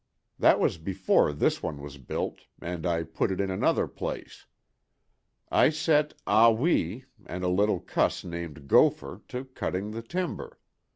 That was before this one was built, and I put it in another place. I set Ah Wee and a little cuss named Gopher to cutting the timber.